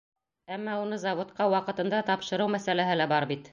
Әммә уны заводҡа ваҡытында тапшырыу мәсьәләһе лә бар бит.